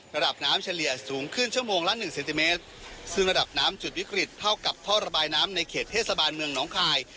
ระดับน้ำเฉลี่ยสูงขึ้นชั่วโมงละหนึ่งเซนติเมตรซึ่งระดับน้ำจุดวิกฤตเท่ากับท่อระบายน้ำในเขตเทศบาลเมืองน้องคาย